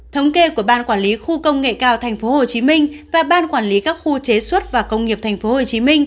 thống kê của ban quản lý khu công nghệ cao tp hcm và ban quản lý các khu chế xuất và công nghiệp tp hcm